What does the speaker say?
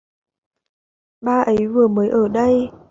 Ba ấy mới vừa ở đây